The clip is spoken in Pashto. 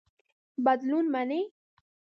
بدلون مني.